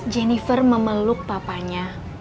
jennifer memeluk bapaknya